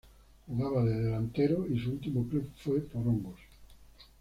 Jugaba de delantero y su último club fue Porongos.